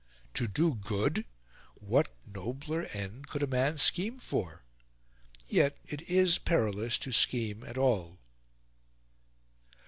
To do good! What nobler end could a man scheme for? Yet it is perilous to scheme at all.